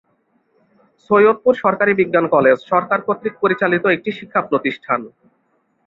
সৈয়দপুর সরকারি বিজ্ঞান কলেজ সরকার কর্তৃক পরিচালিত একটি শিক্ষাপ্রতিষ্ঠান।